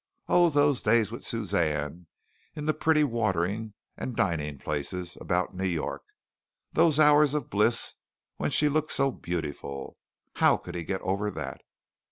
Oh, those days with Suzanne in the pretty watering and dining places about New York, those hours of bliss when she looked so beautiful! How could he get over that?